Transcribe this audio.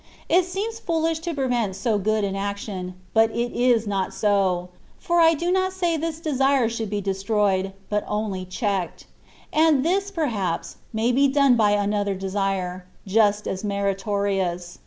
It seems foolish to prevent so good an action, but it is not so ; for I do not say this desire should be destroyed, but only checked; and this, perhaps, may be done by another desire, just as meritorious.